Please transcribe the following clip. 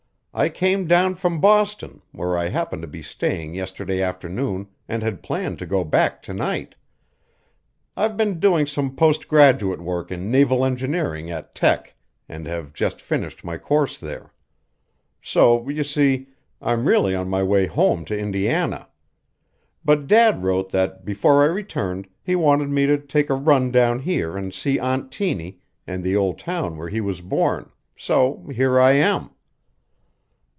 I came down from Boston, where I happened to be staying yesterday afternoon, and had planned to go back tonight. I've been doing some post graduate work in naval engineering at Tech and have just finished my course there. So, you see, I'm really on my way home to Indiana. But Dad wrote that before I returned he wanted me to take a run down here and see Aunt Tiny and the old town where he was born, so here I am."